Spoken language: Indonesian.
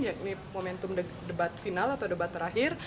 yakni momentum debat final atau debat terakhir